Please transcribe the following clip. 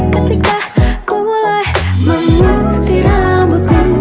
ketika ku mulai memutih rambutku